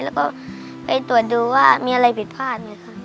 แล้วก็ไปตรวจดูว่ามีอะไรผิดพลาดไงค่ะ